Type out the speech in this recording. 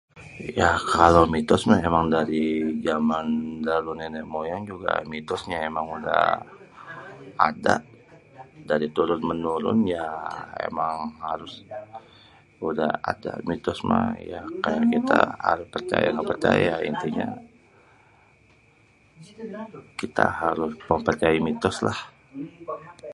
Ya kalo mitos mah emang dari jaman nene moyang, emang mitosnye udah ada. Dari turun menurun ya emng harus udh ada dari kita percaya ga percaya, ya intinya kita harus mempercayai mitos lah.